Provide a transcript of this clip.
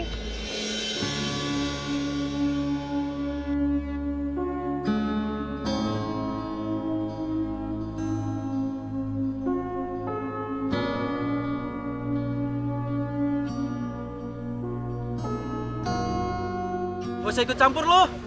gak usah ikut campur lu